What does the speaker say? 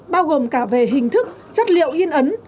bao gồm cả về hình thức chất liệu in ấn